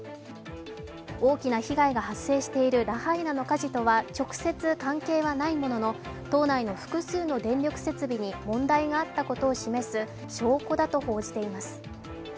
大きな被害が発生しているラハイナの火事とは直接、関係はないものの、島内の複数の電力設備に問題があったことを示す証拠だと報じています